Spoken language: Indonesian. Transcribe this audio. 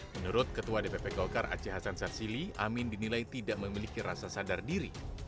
menurut ketua dpp golkar aceh hasan sarsili amin dinilai tidak memiliki rasa sadar diri